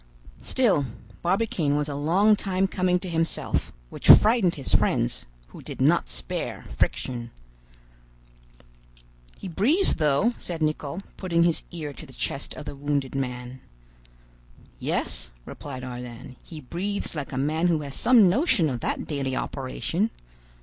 Still, Barbicane was a long time coming to himself, which frightened his friends, who did not spare friction. "He breathes though," said Nicholl, putting his ear to the chest of the wounded man. "Yes," replied Ardan, "he breathes like a man who has some notion of that daily operation.